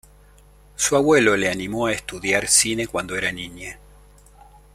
Su abuelo le animó a estudiar cine cuando era niña.